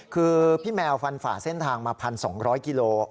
คือพี่แมวฟันฝ่าเส้นทางมา๑๒๐๐กิโล